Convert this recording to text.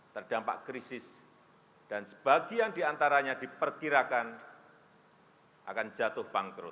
terdampak krisis dan sebagian di antaranya diperkirakan akan jatuh pangkrut